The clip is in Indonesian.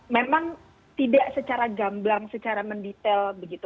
memang tidak secara gamblang secara mendetail begitu